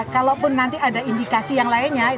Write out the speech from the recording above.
kalaupun nanti ada indikasi yang lainnya